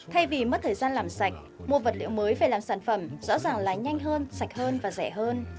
thay vì mất thời gian làm sạch mua vật liệu mới về làm sản phẩm rõ ràng là nhanh hơn sạch hơn và rẻ hơn